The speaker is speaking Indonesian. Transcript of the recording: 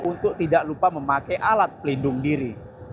untuk tidak lupa memakai alat pelindung diri